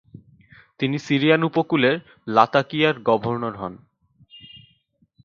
তিনি সিরিয়ান উপকূলের লাতাকিয়ার গভর্নর হন।